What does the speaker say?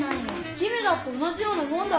姫だって同じようなもんだろ。